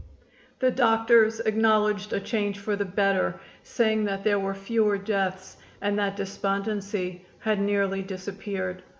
The doctors acknowledged a change for the better, saying that there were fewer deaths, and that despondency had nearly disappeared.